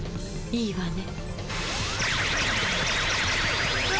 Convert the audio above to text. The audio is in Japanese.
いいわね。